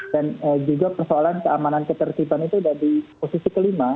dan juga persoalan keamanan ketersibuan itu ada di posisi kelima